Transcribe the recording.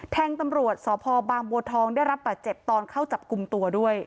ตำรวจสพบางบัวทองได้รับบาดเจ็บตอนเข้าจับกลุ่มตัวด้วย